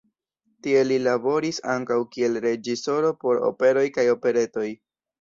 Tie li laboris ankaŭ kiel reĝisoro por operoj kaj operetoj.